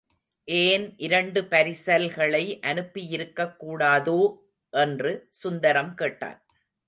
ஏன் இரண்டு பரிசல்களை அனுப்பியிருக்கக்கூடாதோ? என்று சுந்தரம் கேட்டான்.